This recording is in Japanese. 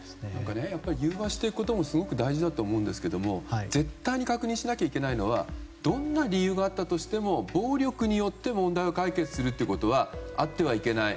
融和していくこともすごく大事だと思うんですが絶対に確認しなきゃいけないのはどんな理由があったとしても暴力によって問題を解決するということはあってはいけない。